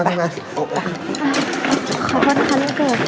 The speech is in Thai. ขอโทษนะคะน้องเกด